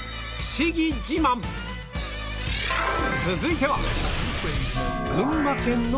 続いては